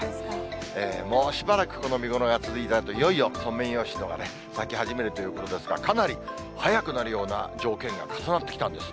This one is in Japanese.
もうしばらくこの見頃が続いたあと、いよいよソメイヨシノがね、咲き始めるということですが、かなり早くなるような条件が重なってきたんです。